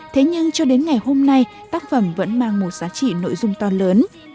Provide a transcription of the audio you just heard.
thế nhưng cho đến ngày hôm nay tác phẩm vẫn mang một giá trị nội dung to lớn